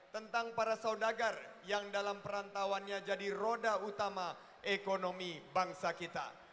tentang para saudagar yang dalam perantauannya jadi roda utama ekonomi bangsa kita